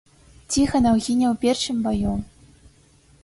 Ціханаў гіне ў першым баю.